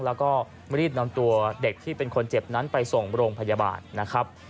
แล้วก็รีบนำตัวเด็กที่เป็นคนเจ็บนั้นไปส่งโรงพยาบาลนะครับ